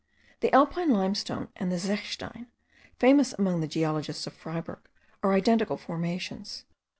The alpine limestone and the zechstein, famous among the geologists of Freyberg, are identical formations.